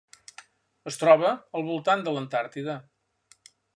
Es troba al voltant de l'Antàrtida.